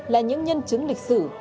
là những nhân chứng lịch sử